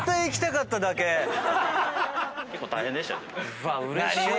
うわっうれしい！